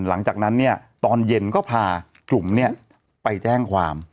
หลังจากนั้นเนี่ยตอนเย็นก็พาจุ๋มไปแจ้งความ